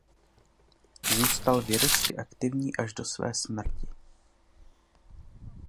Zůstal vědecky aktivní až do své smrti.